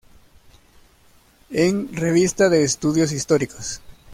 En: Revista de Estudios Históricos.